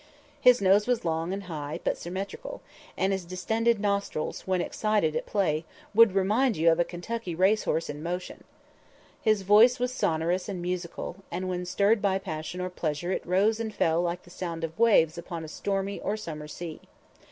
His nose was long and high, but symmetrical, and his distended nostrils, when excited at play, would remind you of a Kentucky racehorse in motion. His voice was sonorous and musical, and when stirred by passion or pleasure it rose and fell like the sound of waves upon a stormy or summer sea.